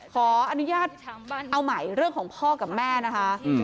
ขออนุญาตเอาใหม่เรื่องของพ่อกับแม่นะคะ